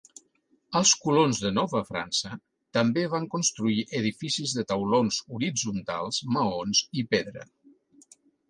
Els colons de Nova França també van construir edificis de taulons horitzontals, maons i pedra.